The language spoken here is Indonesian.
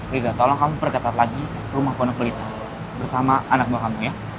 riza tolong kamu perketat lagi rumah ponokulita bersama anakmu kamu ya